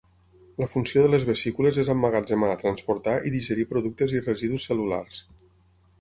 La funció de les vesícules és emmagatzemar, transportar i digerir productes i residus cel·lulars.